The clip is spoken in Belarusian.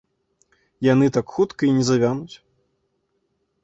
Яны так хутка і не завянуць.